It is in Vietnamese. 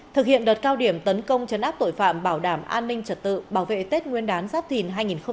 thực hiện đợt cao điểm tấn công chấn áp tội phạm bảo đảm an ninh trật tự bảo vệ tết nguyên đán giáp thìn hai nghìn hai mươi bốn